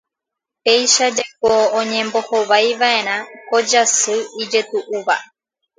Péichajeko oñembohovaiva'erã ko jasy ijetu'úva.